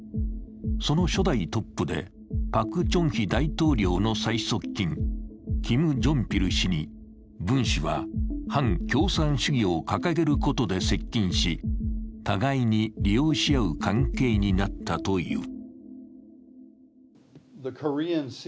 その初代トップで、パク・チョンヒ大統領の最側近、キム・ジョンピル氏に文氏は反共産主義を掲げることで接近し互いに利用し合う関係になったという。